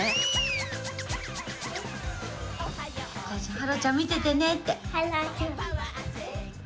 ハローちゃん見ててねって。